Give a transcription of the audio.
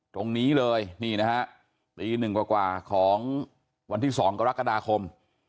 ตรงนี้เลยนี่นะฮะตีหนึ่งกว่าของวันที่๒กรกฎาคม